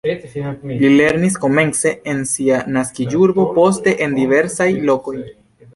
Li lernis komence en sia naskiĝurbo, poste en diversaj lokoj.